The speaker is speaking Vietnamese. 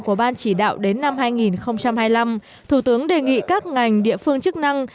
trong các hoạt động của ban chỉ đạo đến năm hai nghìn hai mươi năm thủ tướng đề nghị các ngành địa phương chức năng